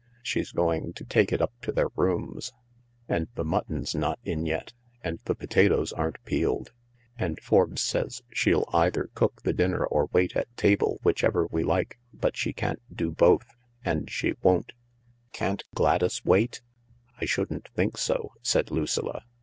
She's going to take it up to their rooms. And the mutton's not in yet, and the potatoes aren't peeled. And Forbes say, she'll either cook the dinner or wait at table, whichever we like, but she can't do both — and she won't," "Can't Gladys wait?" "I shouldn't think so," said Lucilla.